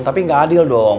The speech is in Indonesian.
tapi gak adil dong